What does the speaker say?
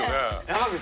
山口。